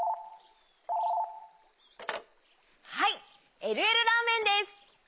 ☎はいえるえるラーメンです！